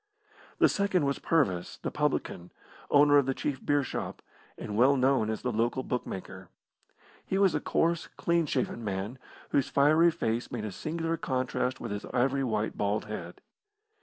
The second was Purvis, the publican, owner of the chief beer shop, and well known as the local bookmaker. He was a coarse, clean shaven man, whose fiery face made a singular contrast with his ivory white bald head.